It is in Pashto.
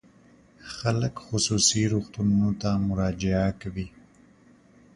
خلک خصوصي روغتونونو ته مراجعه کوي.